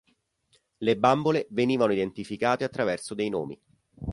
Le bambole venivano identificate attraverso dei nomi.